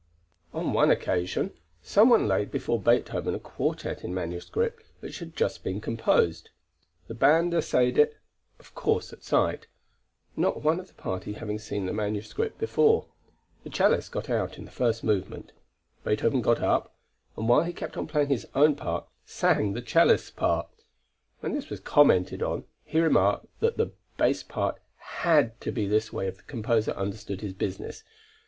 On one occasion, some one laid before Beethoven a quartet in manuscript which had just been composed. The band essayed it, of course at sight, not one of the party having seen the manuscript before. The cellist got out in the first movement. Beethoven got up, and while he kept on playing his own part, sang the cellist's part. When this was commented on, he remarked that the bass part had to be this way if the composer understood his business.